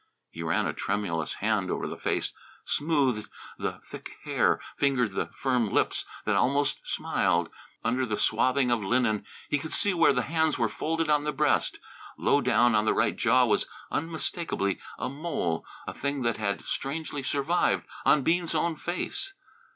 He ran a tremulous hand over the face, smoothed the thick hair, fingered the firm lips that almost smiled. Under the swathing of linen he could see where the hands were folded on the breast. Low down on the right jaw was unmistakably a mole, a thing that had strangely survived on Bean's own face.